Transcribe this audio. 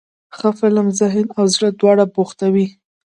ښه فلم ذهن او زړه دواړه بوختوي.